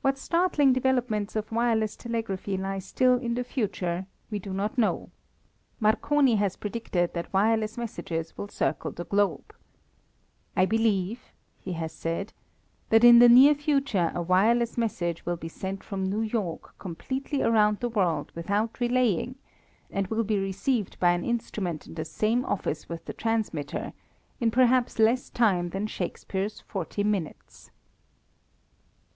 What startling developments of wireless telegraphy lie still in the future we do not know. Marconi has predicted that wireless messages will circle the globe. "I believe," he has said, "that in the near future a wireless message will be sent from New York completely around the world without relaying, and will be received by an instrument in the same office with the transmitter, in perhaps less time than Shakespeare's forty minutes."